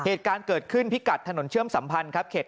เหตุการณ์เกิดขึ้นพิกัดถนนเชื่อมสัมพันธ์ครับ